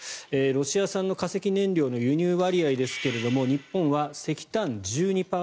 ロシア産の化石燃料の輸入割合ですが日本は石炭１２％